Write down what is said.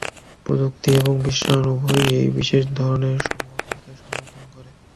প্রযুক্তি এবং বিশ্বায়ন উভয়ই এই বিশেষ ধরনের সংগঠনকে সমর্থন করে।